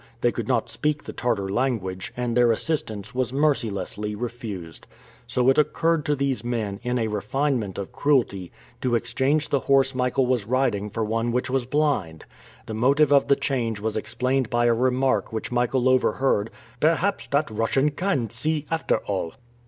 They could not speak the Tartar language, and their assistance was mercilessly refused. Soon it occurred to these men, in a refinement of cruelty, to exchange the horse Michael was riding for one which was blind. The motive of the change was explained by a remark which Michael overheard, "Perhaps that Russian can see, after all!"